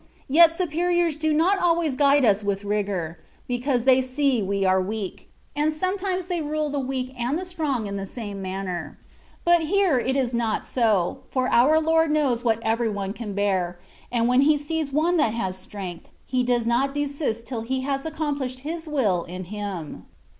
Yet superiors do not always guide us with rigour, because they see we are weak; and sometimes THE WAY OF PERFECTION. 161 they rule the weak and the strong in the same manner. But here it is not so^ for our Lord knows what every one can bear ; and when he sees one that has strength^ He does not desist till He has accomplished His will in him.